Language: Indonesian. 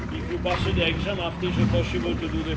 jika kita melakukan eksamen setelah itu bisa dilakukan sekolah gondolier